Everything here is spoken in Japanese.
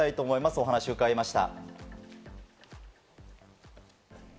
お話を伺いました。